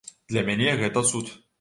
Для мяне гэта цуд.